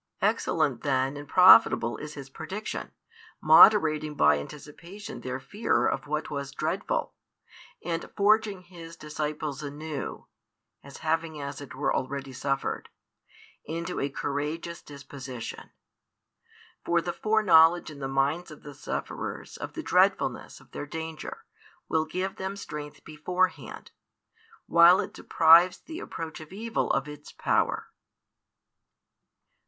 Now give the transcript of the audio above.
Excellent then and profitable is His prediction, moderating by anticipation their fear of what was dreadful, and forging His disciples anew (as having as it were already suffered), into a courageous disposition. For the foreknowledge in the minds of the sufferers of the dreadfulness of their danger will give them strength beforehand, while it deprives the approach of evil of its power.